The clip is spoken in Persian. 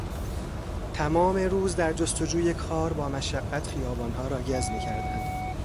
تمام روز در جستجوی کار با مشقت خیابانها را گز میکردند.